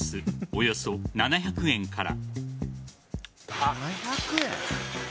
およそ７００円から。